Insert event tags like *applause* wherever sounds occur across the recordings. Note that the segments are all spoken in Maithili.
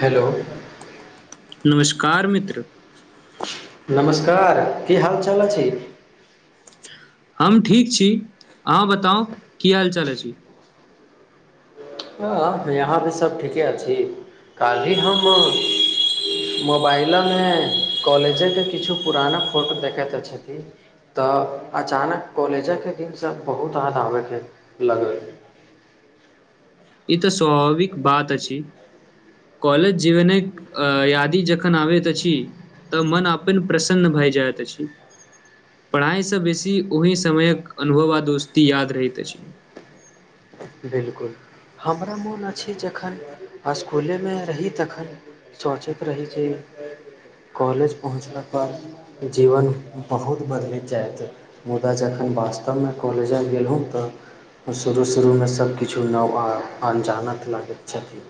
हेलो नमस्कार मित्र नमस्कार की हाल चाल अछि हम ठीक छी अहाँ बताउ की हालचाल अछि हँ यहाँ भी सब ठीके अछि काल्हि हम मोबाइल मे कॉलेजेकेँ किछु पुराना फोटो देखैत छथि तऽ अचानक कॉलेजे के दिनसँ बहुत याद आबै गेल लगेय ई तऽ स्वभाविक बात अछि कॉलेज जीवनक यादी जखन आबैत अछि तऽ मन अपन प्रसन्न भए जायत अछि पढ़ाइसँ बेसी ओहि समयक अनुभव आ दोस्ती याद रहैत अछि बिलकुल हमरा मोन अछि जखन स्कूले मे रही तखन सोचैत रही कि कॉलेज पहुँचला‌ पर जीवन बहुत बदलैत जाइत मुदा जखन वास्तवमे कॉलेज गेलहुँ तऽ ओ शुरू से शुरूमे सब किछु नव आ अनजानत लागैत छथि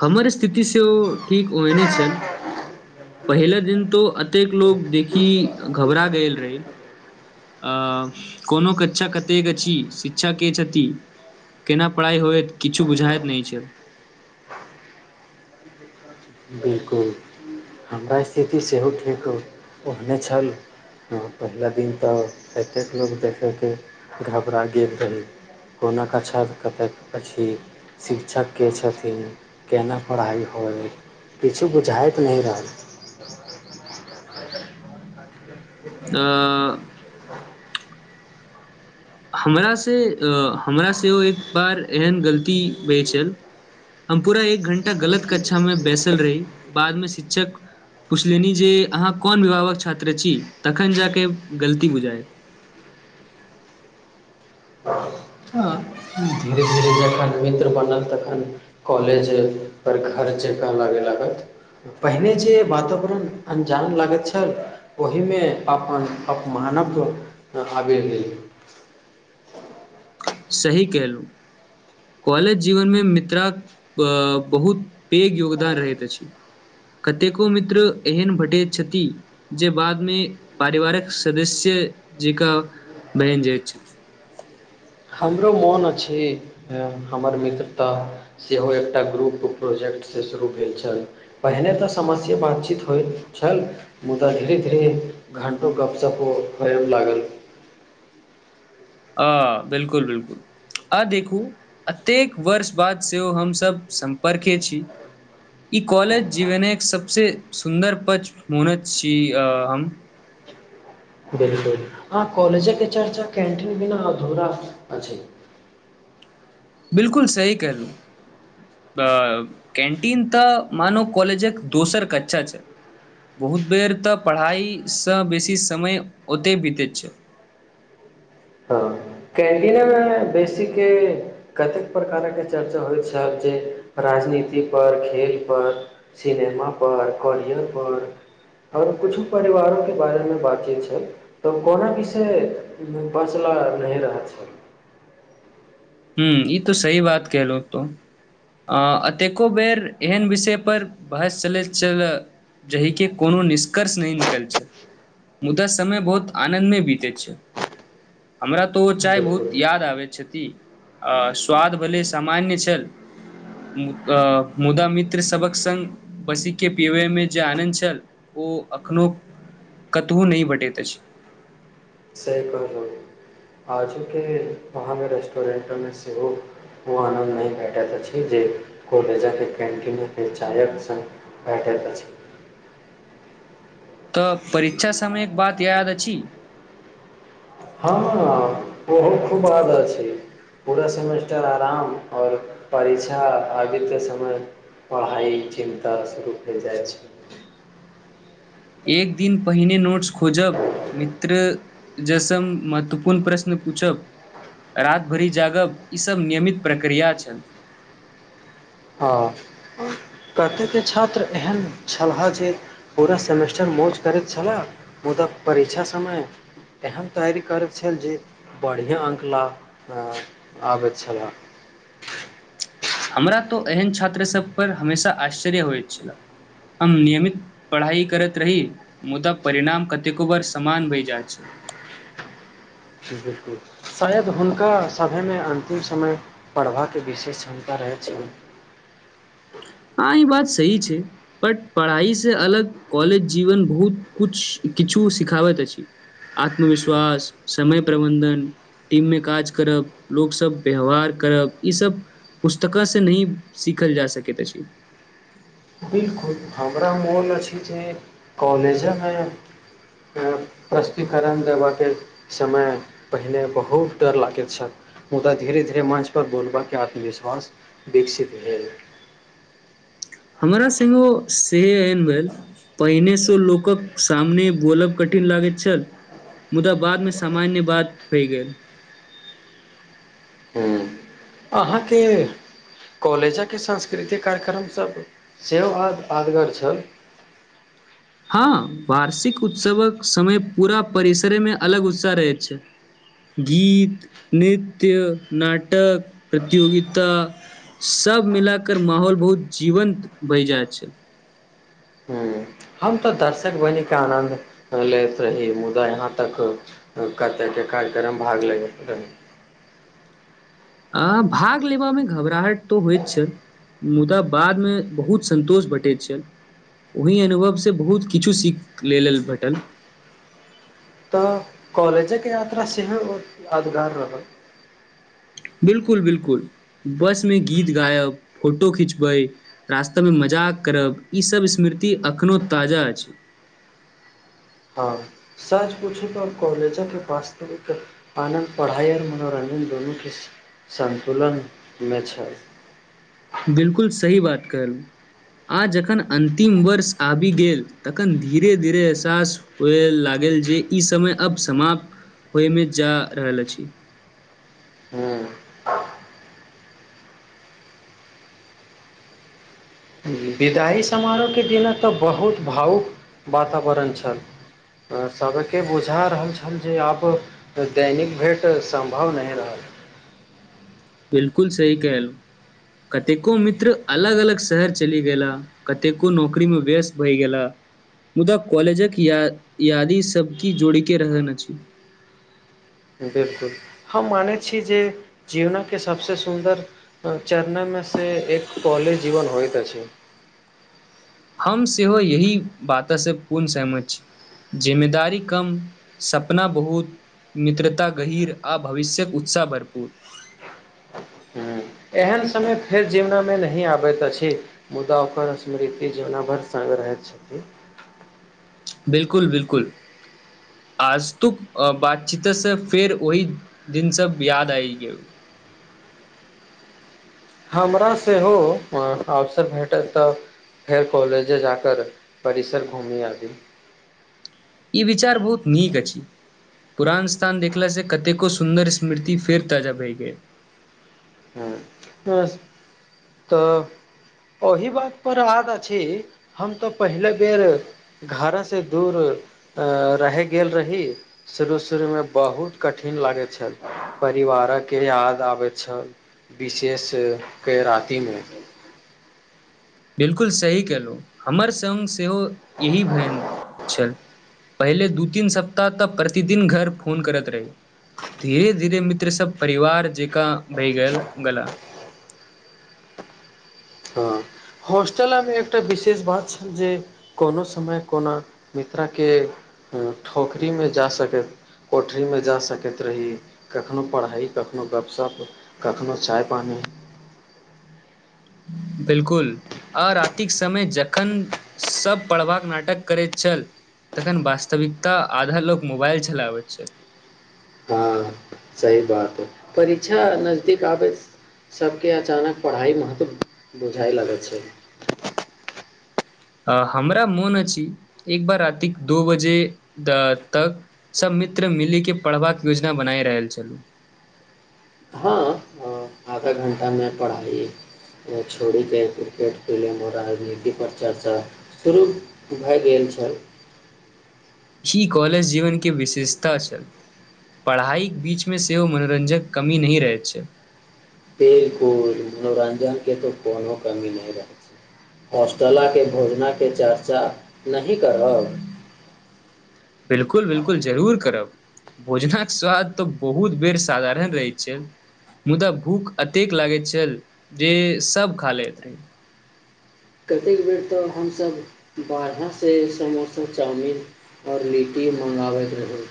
हमर स्थिति सेहो ठीक ओहने छल पहिले दिन तो एतेक लोक देखी घबरा गेल रही अ कोनो कक्षा कतेक अछि शिक्षा के छथि केना पढ़ाई होयत किछु बुझाइत नहि छल बिल्कुल हमरा स्थिति सेहो ठीक ओहने छल हँ पहिलाे दिन तऽ एतेक लोक देखैके घबरा गेल रही कोना कक्षा क कतेक अछी शिक्षक के छथिन केना पढ़ाइ होइ किछो बुझाइत नहि रहल *inaudible* आ हमरासँ हमरा से एक बार एहन गलती भेलइ छल हम पूरा एक घण्टा गलत कक्षा में बैसल रही बाद मऽ शिक्षक पुछलनि जे अहाँ कोन विभागक छात्र छी तखन जाके गलती बुझाय *inaudible* तऽ धीरे धीरे जा तखन मित्र बनल तखन कॉलेज पर घर जेका लागे लागत पहिने जे वातावरण अन्जान लागैत छल ओहिमे अपन अपमानक आबि गेल सही कहलहुं कॉलेज जीवन मे मित्रक बहुत पैघ योगदान रहैत अछि कतेको मित्र एहन भेटैत छथि जे बादमे पारिवारिक सदस्य जेका बन जाय छथि हमरो मोन अछि हमर मित्र‌ता सेहो एकटा ग्रुप प्रोजेक्टसँ शुरू भेल छल पहिने तऽ समय सऽ बातचीत होइत छल मुदा धीरे धीरे घण्टो गपशप होयब लागल अ बिल्कुल बिल्कुल आ देखू एतेक वर्ष बाद सेहो हमसभ सम्पर्के छी ई कॉलेज जीवने सबसे सुन्दर पच मानय छी हम बिल्कुल आ कॉलेज के चर्चा कैंटीन बिना अधूरा अछि बिल्कूल सही कहलहुँ तब कैन्टीन तऽ मानो कॉलेजक दोसर कक्षा छै बहुत बेर तऽ पढ़ाइसँ बेसी समय ओतय बितै छै हँ कैंटिनेमे बेसी के कतेक प्रकारके चर्चा होइत छै जे राजनीति पर खेलपर सिनेमा पर केरियर पर और कुछु परिवारों के बारे मे बातचीत छल तऽ कोना विषय बचल नहि रहल छल ह ई त सही बात कलहु तू एतेको बेर एहन विषय पर बहस चलैत छलय जाहिके कोनो निष्कर्ष नहि निकल छल मुदा समय बहुत आनन्द मे बीतैत छल हमरा तऽ ओ चाय बिलकुल बहुत याद आबैत छथि आ स्वाद भेलय सामान्य छल अ मुदा मित्र सबक संग बैसी के पिबे मे जे आनन्द छल ओ एखनो कतहु नहि भेटैत अछि। *unintelligible* ओ आनन्द नहि भेटैत अछि जे *unintelligible* भेटैत अछि। तऽ परीक्षा समयके बात याद अछि? हँ हँ हँ ओहो खूब आदत छैय। पूरा सेमेस्टर आराम आ परीक्षा आगेके समय पढ़ाइ चिन्ता शुरू भ जाइ छैय। एक दिन पहिने नोट्स खोजब मित्र जै संग महत्वपूर्ण प्रश्न पूछब राति भरि जागब ईसभ नियमित प्रक्रिया छल। हँ कतेक छात्र एहन छलहा जे पूरा सेमेस्टर मौज करैत छलाह मुदा परीक्षा समय एहन तैयारी करैत छल जे बढ़िया अंक ला आबैत छलाह। हमरा तो एहन छात्र सभपर हमेशा आश्चर्य होइत छल। हम नियमित पढ़ाइ करैत रही मुदा परिणाम कतेको बेर समान भये जाइत छल। *inaudible* शायद हुनका सभमे अन्तिम समय पढ़बाके विशेष क्षमता रहैत छल। हँ ई बात सही छैय। बट पढ़ाइसँ अलग कॉलेज जीवन बहुत कुछ किछु सिखाबैत अछि। आत्मविश्वास समय प्रबंधन टीम मे काज करब लोकसभ व्यवहार करब ईसभ पुस्तक से नहि सीखल जा सकै अछि। बिलकुल हमरा मोन अछि जे कॉलेज मे प्रश्टिकरण देबऽके समय पहिने बहुत डर लागैत छल। मुदा धीरे धीरे मंच पर बोलबाके आत्मविश्वास विकसित भेल। हमरा संग ओ सेएन भेल। पहिनेसँ लोकक सामने बोलब कठिन लागैत छल। मुदा बाद में सामान्य बात भै गेल। हूँ अहाँके कॉलेजे सांस्कृतिक कार्यक्रम सब सेहो आदगर छल। हँ वार्षिक उत्सवक समय पूरा परिसरेमे अलग उत्साह रहैत छल। गीत नृत्य नाटक प्रतियोगिता सब मिलाक माहौल बहुत जीवंत भ जाइत छल। हम तऽ दर्शक बनिके आनन्द लेैत रही मुदा यहाँ तक कतयके कार्यक्रम भाग लगैत रहै हँ भाग लेबमे घबराहट त होइत छल। मुदा बादमे बहुत सन्तोष भेटैत छल। ओहि अनुभवसँ बहुत किछु सीख लेल भेटल। कॉलेजेके यात्रा सेहो यादगार रहल। बिलकुल बिलकुल बस में गीत गायब फोटो खिचबै। रास्ता मे मजाक करब ईसभ स्मृति अखनो ताजा अछि। हँ सझ पूछू त कॉलेजाे पास तऽ एक आनन्द पढ़ाइ आओर मनोरञ्जन दुनूके सन्तुलनमे छल। बिलकुल सही बात कहलु। आ जखन अन्तिम वर्ष आबि गेल तखन धीरे धीरे एहसास होय लागल जे ई समय अब समाप्त होयमे जा रहल अछि। हूँ विदाइी समारोहके दिना तऽ बहुत भावुक वातावरण छल। सबके बुझा रहल छल जे आब त दैनिक भेँट सम्भव नहि रहल। बिलकुल सही कहल कतेको मित्र अलग अलग शहर चलि गेला। कतेको नौकरीमे व्यस्त भय गेला। मुदा कॉलेजके य यादी सब की जोड़े के रहलन अछि। बिलकुल हम मानैत छी जे जीवनके सभसँ सुन्दर चरनामे से एक कॉलेज जीवन होयइत अछि। हम सेहो यही बातेसँ पूर्ण सहमत छी। जिम्मेदारी कम सपना बहुत मित्रता गहिर आ भविष्यक उत्साह भरपूर। हूँ एहन समय फेर जीवनामे नहि आबैत अछि। मुदा ओकर स्मृति जवनाभर संग रहैत छथि। बिलकुल बिलकुल आजतुक बातचीतसँ फेर ओहि दिनसँ याद आइब गेल। हमरा सेहो अवसर भेटत तऽ फेर कॉलेजे जााक परिसर घूमी आबी। ई विचार बहुत नीक अछि। पुरान स्थान देखलास से कतेको सुन्दर स्मृति फेर ताजा भए गेल। ह ह तऽ ओहि बात पर आत अछि हम तऽ पहिले बेर घरासँ दूर रहे गेल रही। शुरू शुरू मे बहुत कठिन लागे छल परिवारके याद आबैत छल। विशेषके रातिमे। बिलकुल सही केलहुँ हमर सङ्ग सेहो यह बहन छल। पहिले दू तीन सप्ताह तक प्रतिदिन घर फोन करैत रही। धीरे धीरे मित्र सब परिवार जकाँ भए गेल गला। हॉस्टलमेमे एकटा विशेष बात छल जे कोनो समय कोना मित्राके ठोकरीमे जा सकैत कोठरीमे जा सकैत रही कखनो पढ़ाइ कखनो गपशप कखनो चाय पानि। बिलकुल आ रातिक समय जखन सब पढ़बाक नाटक करैत छल तखन वास्तविकता आधा लोग मोबाइल चलाबैत छल। हँ सही बात परीक्षा नजदीक आबै सबके अचानक पढ़ाइ महत्व बुझाए लगै छल। हमरा मोन अछि एक बार राातिक दू बजे तक सब मित्र मिलीके पढ़बाक योजना बनाय रहल छलू। हँ आधा घण्टामे पढ़ाइ छोड़ी क क्रिकेट ख लेले म निति पर चर्चा शुरू भए गेल छल ही कॉलेज जीवन के विशेषता छै पढ़ाइके बीचमे सेहो मनोरञ्जक कमी नहि रहैत छै खेलकुद मनोरंजक तऽ कोनो कमी नहि रहैत छै हॉस्टलाके भोजने चर्चा नहि करब बिलकुल बिलकुल जरूर करब भोजनक स्वाद तऽ बहुत बेर साधारण रहैत छै मुदा भूख अतेक लागैत छल जे सब खा लैत कतेक बेर तऽ हमसभ बाहहाँसँ समोसा चाउमिन आओर लिट्टी मङंगाबैत रहै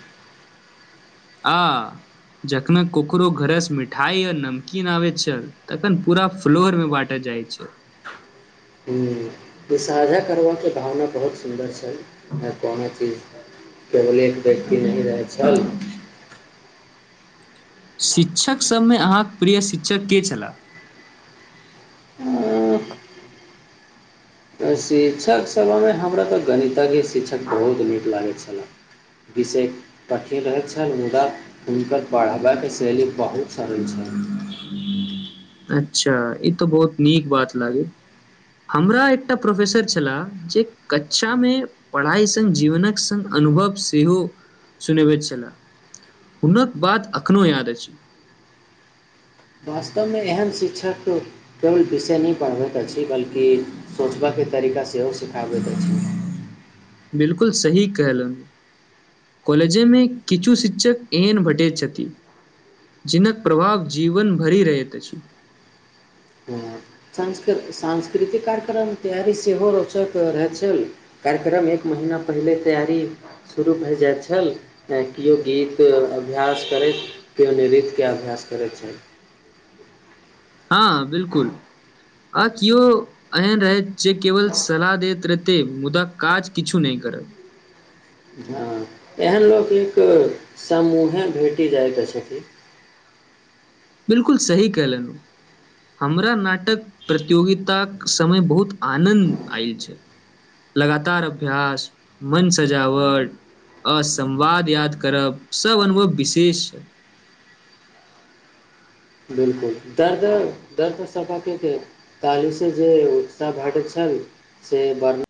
आ जखन ककरो घरसँ मिठाइ आ नमकीन आबैत छल तखन पूरा फ्लोर मे बाँटल जाइ छो ई साझा करबाकऽके भावना बहुत सुन्दर छल कोना चीज टेबलेट देखकी नहि रहै छल शिक्षक सभमे अहाँक प्रिय शिक्षक के छलए अ, *inaudible* शिक्षक सभयमे हमरा तऽ गणितज्ञ शिक्षक बहुत नीक लागैत छलह विशे कठिन रहैत छनि मुदा हुनकर पढ़बाक शैली बहुत सरल छन अच्छा ई तो बहुत नीक बात लागैए हमरा एकटा प्रोफेसर छलाह जे कक्षा मे पढ़ाइ सङ्ग जीवनक सङ्ग अनुभव सेहो सुनेबैत छलाह हुनक बात अखनो याद अछि वास्तवमे एहन शिक्षक केवल विषय नहि पढ़बैत अछि बल्कि सोचबयके तरीका सेहो सिखाबैत अछि बिलकुल सही कहलु कॉलेजेमे किछु शिक्षक एहन भेटैत छथिन जिनक प्रभाव जीवन भरि रहैत अछि हं सांस्कृ सांस्कृतिक कार्यक्रम तैयारी सेहो रोचयके रहै छल कार्यक्रम एक महीना पहिले तैयारी शुरू भए जाइत छल केओ गीत अभ्यास करैत केओ नृत्यके अभ्यास करैत छथि हँ बिलकुल आ किओ एहन रहै जे केवल सलाह दैत रहते मुदा काज किछु नहि करत हँ एहन लोक एक समूहे भेटि जाइके छथिन बिलकुल सही केलन औ हमरा नाटक प्रतियोगिताक समय बहुत आनन्द आयल छै लगातार अभ्यास मन सजावट असमवाद याद करब सभ अनुभव विशेष छथि बिलकुल दर्द दर्द सफा के छै काली से जे उत्साह भेटैत छल से बर्ना